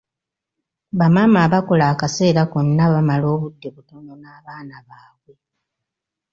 Bamaama abakola akaseera konna bamala obudde butono n'abaana baabwe.